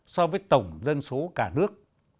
số người dùng mạng xã hội là sáu mươi năm triệu người